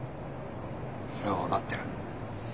それは分かってる。